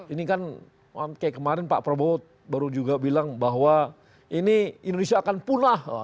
ini kan kayak kemarin pak prabowo baru juga bilang bahwa ini indonesia akan punah